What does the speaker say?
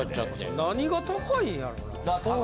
何が高いんやろな。